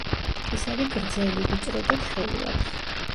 კისერი გრძელი, ვიწრო და თხელი აქვს.